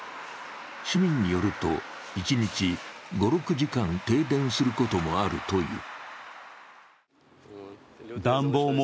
市民によると一日５６時間、停電することもあるという。